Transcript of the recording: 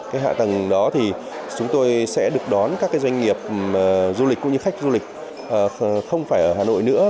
cái hạ tầng đó thì chúng tôi sẽ được đón các cái doanh nghiệp du lịch cũng như khách du lịch không phải ở hà nội nữa